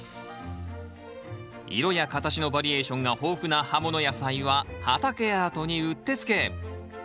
色や形のバリエーションが豊富な葉もの野菜は畑アートにうってつけ。